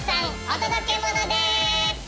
お届けモノです！